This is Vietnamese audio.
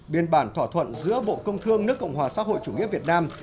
biên bản thỏa thuận giữa bộ công thương nước cộng hòa xã hội chủ nghĩa việt nam